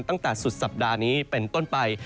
ตั้งแต่สุดสัปดาห์นี้เป็นต้นไป